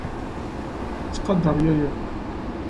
Ttqadar yaya.